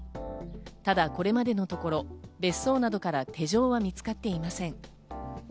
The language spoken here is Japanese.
ただ、これまでのところ別荘などから手錠は見つかっていません。